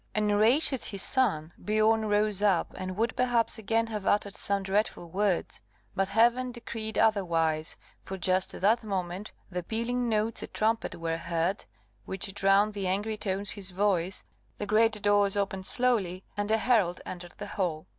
Enraged at his son, Biorn rose up, and would perhaps again have uttered some dreadful words; but Heaven decreed otherwise, for just at that moment the pealing notes a trumpet were heard, which drowned the angry tones his voice, the great doors opened slowly, and a herald entered the hall.